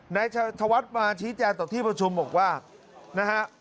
นายธวัฒน์มาชี้แจงต่อที่ประชุมบอกว่านะฮะ